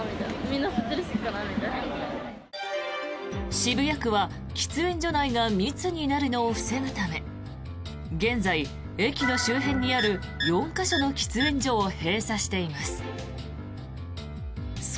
渋谷区は喫煙所内が密になるのを防ぐため現在、駅の周辺にある４か所の喫煙所を閉鎖しています。